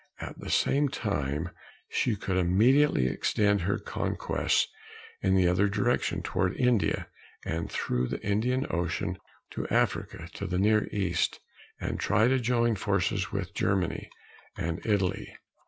At the same time, she could immediately extend her conquests in the other direction toward India, and through the Indian Ocean to Africa, to the Near East, and try to join forces with Germany and Italy.